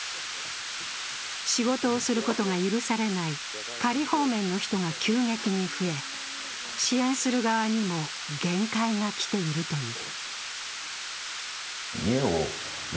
仕事をすることが許されない仮放免の人が急激に増え、支援する側にも限界が来ているという。